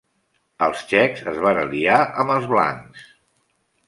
Els txecs es van aliar amb els blancs.